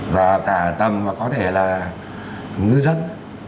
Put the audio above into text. và cả ở tầm mà có thể là ngữ dân